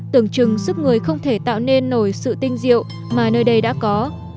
tưởng chừng sức người không thể tạo nên nổi sự tinh diệu mà nơi đây đã có